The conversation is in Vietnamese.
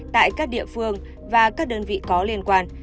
tại các địa phương và các đơn vị có liên quan